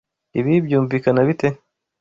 Ibi byumvikana bite?